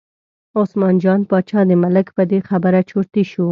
عثمان جان باچا د ملک په دې خبره چرتي شو.